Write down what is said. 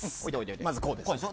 まず、こうです。